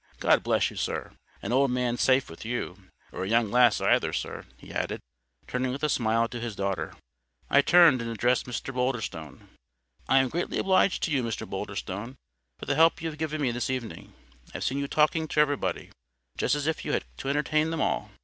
"God bless you, sir. An old man's safe with you—or a young lass, either, sir," he added, turning with a smile to his daughter. I turned, and addressed Mr Boulderstone. "I am greatly obliged to you, Mr Boulderstone, for the help you have given me this evening. I've seen you talking to everybody, just as if you had to entertain them all."